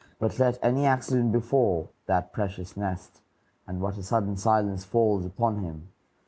But let any accident befall that precious nest, and what a sudden silence falls upon him!